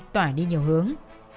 tỏa đi nhiều hướng